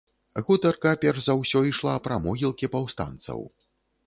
Гутарка, перш за ўсё, ішла пра могілкі паўстанцаў.